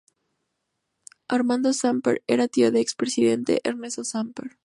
Armando Samper era tío del ex Presidente Ernesto Samper.